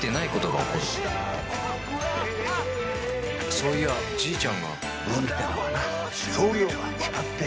そういやじいちゃんが運ってのはな量が決まってるんだよ。